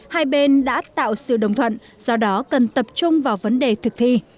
hai bên đã tạo sự đồng thuận do đó cần tập trung vào vấn đề thực thi